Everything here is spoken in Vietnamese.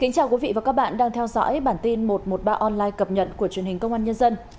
chào mừng quý vị đến với bản tin một trăm một mươi ba online cập nhật của truyền hình công an nhân dân